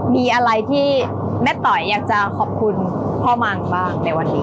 มีอะไรที่แม่ต๋อยอยากจะขอบคุณพ่อมางบ้างในวันนี้